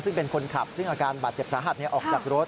ซึ่งเป็นคนขับซึ่งอาการบาดเจ็บสาหัสออกจากรถ